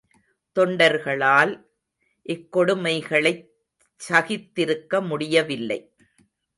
தொண்டர்களால் இக்கொடுமைகளைச் சகித்திருக்க முடியவில்லை.